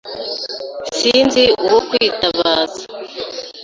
Sinzi uwo kwitabaza.